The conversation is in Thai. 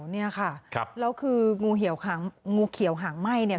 เนี่ยค่ะครับแล้วคืองูเหี่ยวหางงูเขียวหางไหม้เนี่ย